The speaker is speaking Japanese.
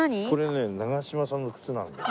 これね長嶋さんの靴なの。